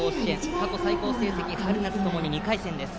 過去最高成績春夏ともに２回戦です。